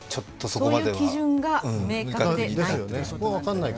そういう基準が明確でないと。